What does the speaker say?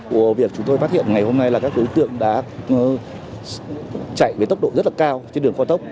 vụ việc chúng tôi phát hiện ngày hôm nay là các đối tượng đã chạy với tốc độ rất là cao trên đường cao tốc